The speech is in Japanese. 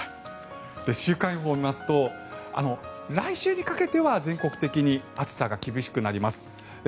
週間予報を見ますと来週にかけては全国的に暑さが厳しくなります。